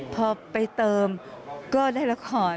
พอไปเติมก็ได้ละคร